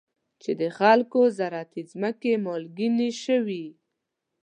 چې د خلکو زراعتي ځمکې مالګینې شوي.